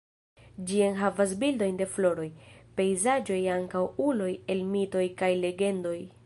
Ĝi enhavas bildojn de floroj, pejzaĝoj ankaŭ uloj el mitoj kaj legendoj.